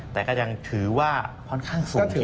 แต่ก็ยังถือว่าค่อนข้างสูงที่สุด